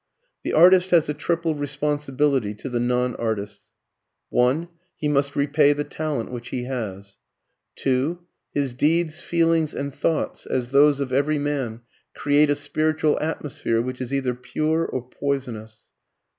The artist has a triple responsibility to the non artists: (1) He must repay the talent which he has; (2) his deeds, feelings, and thoughts, as those of every man, create a spiritual atmosphere which is either pure or poisonous.